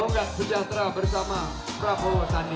mau enggak sejahtera bersama prabowo sandi